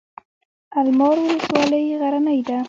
المار ولسوالۍ غرنۍ ده؟